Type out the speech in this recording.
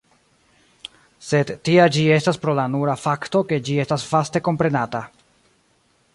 Sed tia ĝi estas pro la nura fakto ke ĝi estas vaste komprenata.